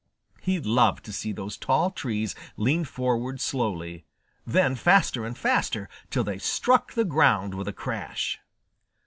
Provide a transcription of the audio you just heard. He loved to see those tall trees lean forward slowly, then faster and faster, till they struck the ground with a crash.